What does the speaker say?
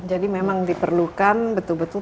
jadi memang diperlukan betul betul